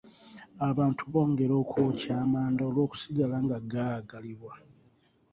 Abantu bongera okwokya amanda olw'okusigala nga gaagalibwa.